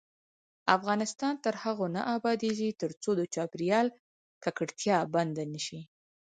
افغانستان تر هغو نه ابادیږي، ترڅو د چاپیریال ککړتیا بنده نشي.